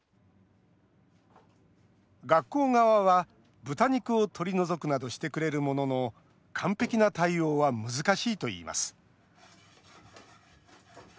学校側は豚肉を取り除くなどしてくれるものの完璧な対応は難しいといいます。